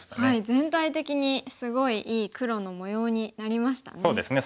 全体的にすごいいい黒の模様になりましたね。